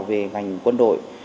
về ngành quân đội